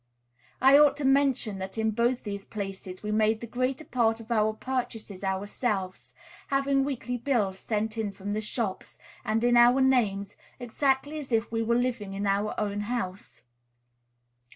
I ought to mention that in both these places we made the greater part of our purchases ourselves, having weekly bills sent in from the shops, and in our names, exactly as if we were living in our own house.